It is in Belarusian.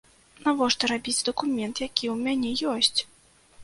Навошта рабіць дакумент, які ў мяне ёсць?